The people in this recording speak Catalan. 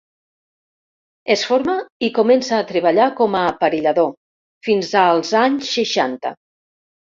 Es forma i comença a treballar com a aparellador fins als anys seixanta.